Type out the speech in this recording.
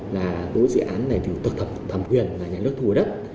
là đối với dự án này thì thực tập thẩm quyền là nhà nước thu hút đất